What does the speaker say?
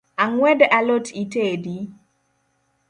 Ang’wed a lot itedi?